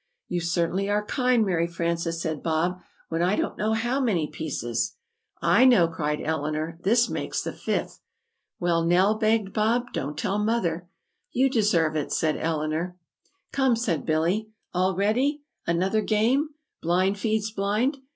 "You certainly are kind, Mary Frances," said Bob, "when I don't know how many pieces " "I know," cried Eleanor, "this makes the fifth!" "Well, Nell," begged Bob, "don't tell Mother." "You deserve it," said Eleanor. [Illustration: "Don't tell Mother."] "Come," said Billy, "all ready! another game! 'Blind feeds Blind!'"